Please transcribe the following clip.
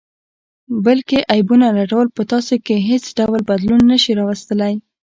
بل کې عیبونه لټول په تاسې کې حیڅ ډول بدلون نه شي راوستلئ